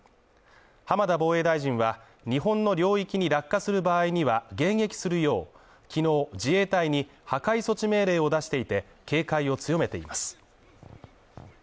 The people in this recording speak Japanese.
浜田防衛大臣は日本の領域に落下する場合には迎撃するよう昨日自衛隊に破壊措置命令を出していて、警戒を強めています。